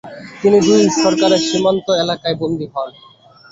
তিনি দুই সরকারের সীমান্ত এলাকায় বন্দী হন।